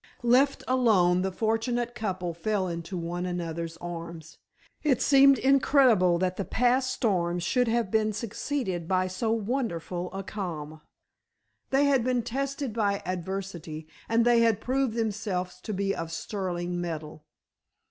Left alone the fortunate couple fell into one another's arms. It seemed incredible that the past storm should have been succeeded by so wonderful a calm. They had been tested by adversity, and they had proved themselves to be of sterling metal.